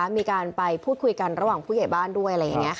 มีการไปพูดคุยกันระหว่างผู้ใหญ่บ้านด้วย